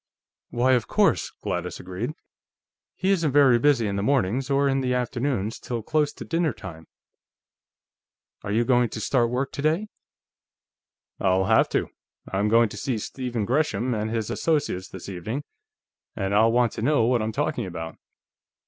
"Why, of course," Gladys agreed. "He isn't very busy in the mornings, or in the afternoons till close to dinner time. Are you going to start work today?" "I'll have to. I'm going to see Stephen Gresham and his associates this evening, and I'll want to know what I'm talking about."